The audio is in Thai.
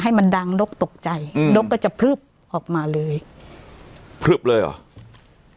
ให้มันดังนกตกใจอืมนกก็จะพลึบออกมาเลยพลึบเลยเหรอ